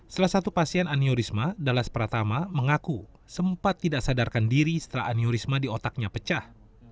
salah satu pasien aneurisma dalas pratama mengaku sempat tidak sadarkan diri setelah aneurisma di otaknya pecah